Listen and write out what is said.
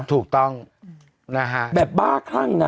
ถูกต้องนะฮะ